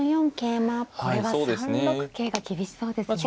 これは３六桂が厳しそうですね。